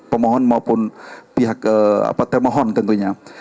pemohon maupun pihak termohon tentunya